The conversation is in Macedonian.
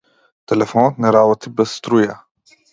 Телефонот не работи без струја.